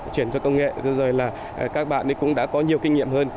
chuyển cho công nghệ rồi là các bạn cũng đã có nhiều kinh nghiệm hơn